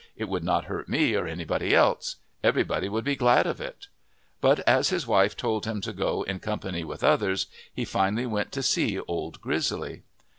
It would not hurt me or anybody else. Everybody would be glad of it." But as his wife told him to go in company with others, he finally went to see Old Grizzly.